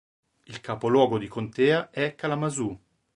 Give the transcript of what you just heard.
Il capoluogo di contea è Kalamazoo.